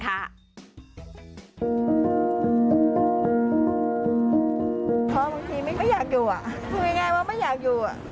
เพราะบางทีไม่อยากอยู่อ่ะคือยังไงว่าไม่อยากอยู่อ่ะ